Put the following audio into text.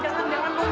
jangan dong jangan